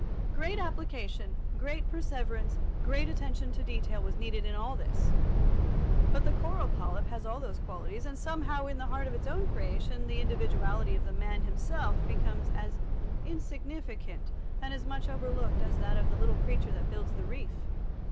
Great application, great perseverance, great attention to detail was needed in all this, but the coral polyp has all those qualities, and somehow in the heart of his own creation the individuality of the man himself becomes as insignificant and as much overlooked as that of the little creature that builds the reef.